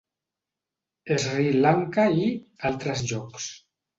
Sri Lanka i "altres llocs".